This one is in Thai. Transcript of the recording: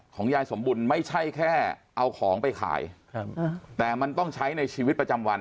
ยายสมบุญไม่ใช่แค่เอาของไปขายครับแต่มันต้องใช้ในชีวิตประจำวัน